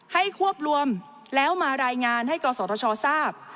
ควบรวมแล้วมารายงานให้กศธชทราบ